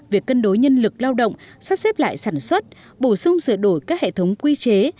việc cân đối nhân lực lao động sắp xếp lại sản xuất bổ sung sửa đổi các hệ thống quy chế